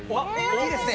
いいですね。